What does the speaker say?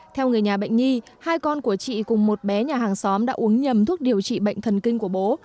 theo người nhà bệnh nhi hai con của chị cùng một bé nhà hàng xóm đã uống nhầm thuốc điều trị bệnh thần kinh của bố